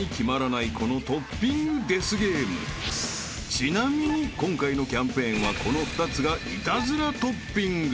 ［ちなみに今回のキャンペーンはこの２つがイタズラトッピング］